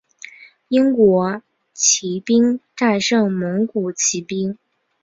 英国骑兵战胜蒙古骑兵。